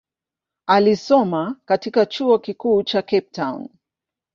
Alisoma katika chuo kikuu cha Cape Town.